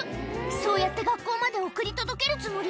そうやって学校まで送り届けるつもり？